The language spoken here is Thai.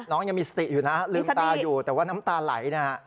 ยังมีสติอยู่นะลืมตาอยู่แต่ว่าน้ำตาไหลนะฮะ